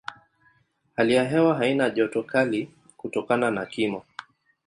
Hali ya hewa haina joto kali kutokana na kimo.